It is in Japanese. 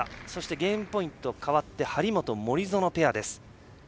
ゲームポイント変わって張本、森薗ペアです。